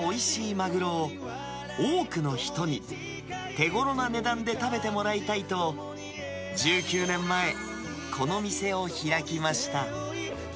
マグロを多くの人に手ごろな値段で食べてもらいたいと、１９年前、この店を開きました。